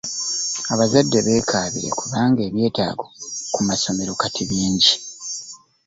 Abazadde beekabire kubanga ebyetaago ku masomero kati bingi.